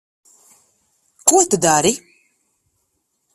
Ko tu dari?